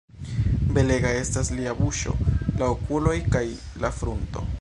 Belega estas lia buŝo, la okuloj kaj la frunto.